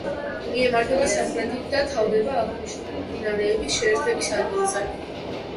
მიემართება სამხრეთით და თავდება აღნიშნული მდინარეების შეერთების ადგილზე.